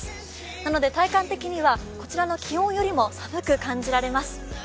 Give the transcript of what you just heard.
なので、体感的には気温よりも寒く感じられます。